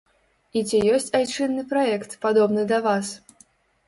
І ці ёсць айчынны праект, падобны да вас?